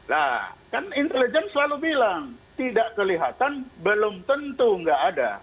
lah kan intelijen selalu bilang tidak kelihatan belum tentu nggak ada